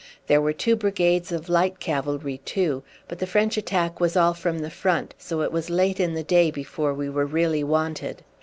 There were two brigades of light cavalry, too; but the French attack was all from the front, so it was late in the day before we were really wanted.